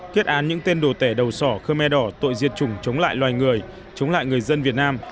kết án những tên đồ tẻ đầu sỏ khmer đỏ tội diệt chủng chống lại loài người chống lại người dân việt nam